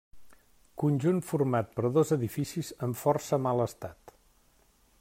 Conjunt format per dos edificis en força mal estat.